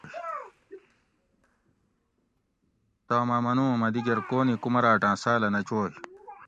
تم اۤ منُو اُوں مہ دِگیر کون ئ کُمراۤٹاۤں ساۤلہ نہ چوئ